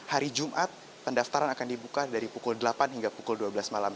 hari jumat pendaftaran akan dibuka dari pukul delapan hingga pukul dua belas malam